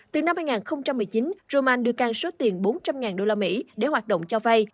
từ năm hai nghìn một mươi chín roman đưa can số tiền bốn trăm linh usd để hoạt động cho vay